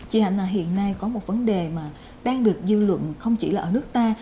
hải có một vấn đề đang được dư luận không chỉ ở nước ta